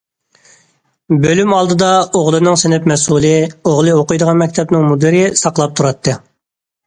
بۆلۈم ئالدىدا ئوغلىنىڭ سىنىپ مەسئۇلى، ئوغلى ئوقۇيدىغان مەكتەپنىڭ مۇدىرى ساقلاپ تۇراتتى.